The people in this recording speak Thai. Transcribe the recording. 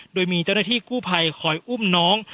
โดยมีเจ้าหน้าที่กู้ภัยคอยอุ้มน้อง